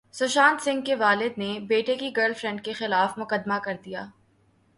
سشانت سنگھ کے والد نے بیٹے کی گرل فرینڈ کےخلاف مقدمہ کردیا